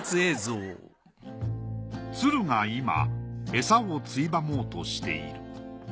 鶴が今餌をついばもうとしている。